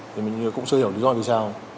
thì mình cũng chưa hiểu lý do vì sao